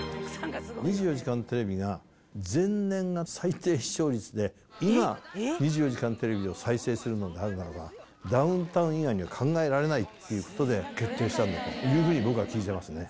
２４時間テレビが、前年が最低視聴率で、今、２４時間テレビを再生するのであるならば、ダウンタウン以外には考えられないっていうことで決定したというふうに、僕は聞いてますね。